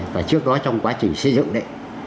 và trước đó trong quá trình xây dựng đấy